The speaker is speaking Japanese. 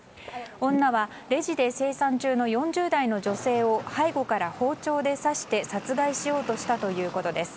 女はレジで精算中の４０代の女性を背後から包丁で刺して殺害しようとしたということです。